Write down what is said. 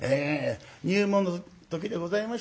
入門の時でございました。